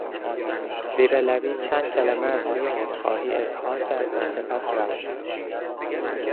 زیر لبی چند کلمه از روی عذر خواهی اظهار کرد و سپس رفت.